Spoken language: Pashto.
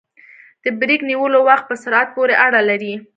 د بریک نیولو وخت په سرعت پورې اړه لري